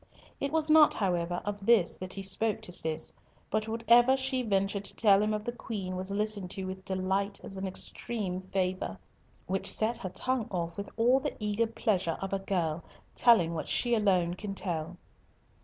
It was not, however, of this that he spoke to Cis, but whatever she ventured to tell him of the Queen was listened to with delight as an extreme favour, which set her tongue off with all the eager pleasure of a girl, telling what she alone can tell.